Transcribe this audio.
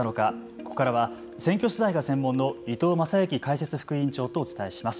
ここからは選挙取材が専門の伊藤雅之解説副委員長とお伝えします。